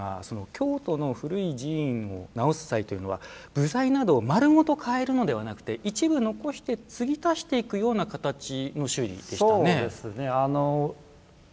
先ほどの映像を見ていて感じたのが京都の古い寺院を直す際というのは部材などを丸ごと変えるのではなくて一部残して継ぎ足していくような形の修理でしたね。